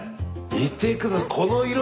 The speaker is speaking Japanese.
見てください。